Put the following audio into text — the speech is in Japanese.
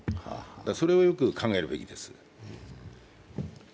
それをよく考えるべきです。